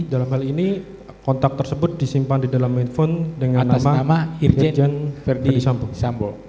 dalam hal ini kontak tersebut disimpan di dalam handphone dengan nama irjen verdi sambo